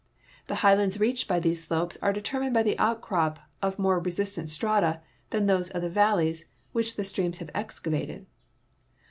The highlands reached by these slopes are determined by the outcrop of more resistant strata than those of the valleys wliich the streams have excavated.